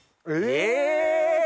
え！